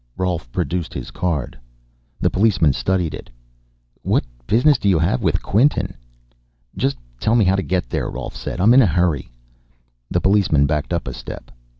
Rolf produced his card. The policeman studied it. "What business do you have with Quinton?" "Just tell me how to get there," Rolf said. "I'm in a hurry." The policeman backed up a step.